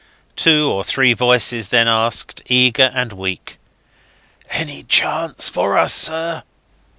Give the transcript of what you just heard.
Two or three voices then asked, eager and weak, "Any chance for us, sir?"